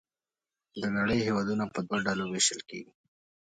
د نړۍ هېوادونه په دوه ډلو ویشل کیږي.